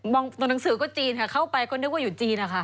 ตัวหนังสือก็จีนค่ะเข้าไปก็นึกว่าอยู่จีนนะคะ